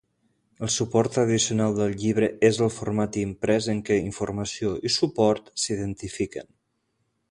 El suport tradicional del llibre és el format imprès en què informació i suport s’identifiquen.